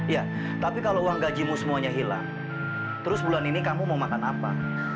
ya tapi kalau uang gajimu semuanya hilang terus bulan ini kamu mau makan apa